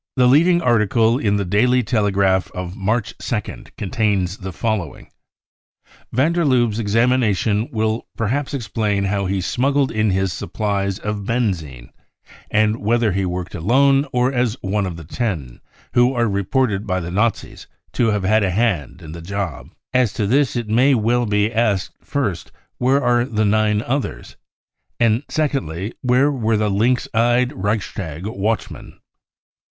The leading article in the Daily Telegraph of March 2nd contains the following ;" Van der Lubbe's examination will perhaps explain how ' he smuggled in his supplies of benzine, and whether he worked alone or as one of the c Ten 5 who are reported % 78 BROWN BOOK OF THE HITLER TERROR by the Nazis to have had a hanci in the job. As to this it may well be asked, first, c where are the nine others ? 9 ; and second, 4 where were the lynx eyed Reichstag watchmen